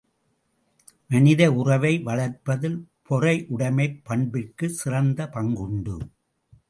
மனித உறவை வளர்ப்பதில் பொறையுடைமைப் பண்பிற்குச் சிறந்த பங்குண்டு.